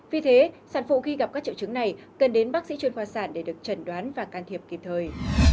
vì thế sản phụ khi gặp các triệu chứng này cần đến bác sĩ chuyên khoa sản để được trần đoán và can thiệp kịp thời